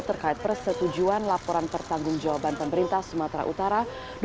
terkait persetujuan laporan pertanggung jawaban pemerintah sumatera utara dua ribu dua belas dua ribu empat belas